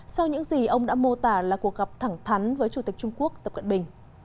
sau những gì ông đã mô tả là cuộc gặp thẳng thắn với chủ tịch trung quốc tập cận bình